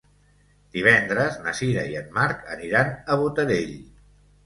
Divendres na Sira i en Marc aniran a Botarell.